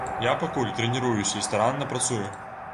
Я пакуль трэніруюся і старанна працую.